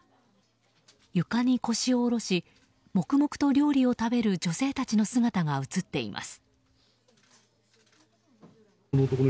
床に腰を下ろし黙々と料理を食べる女性たちの姿が映っています。